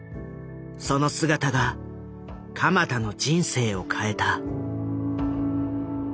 その姿が鎌田の人生を変えた。